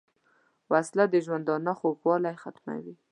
وسله د ژوندانه خوږوالی ختموي